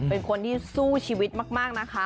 เป็นคนที่สู้ชีวิตมากนะคะ